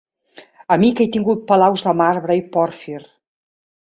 A mi que he tingut palaus de marbre i pòrfir